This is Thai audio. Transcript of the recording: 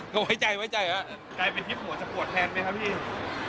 ก็ไว้ใจอ้ะ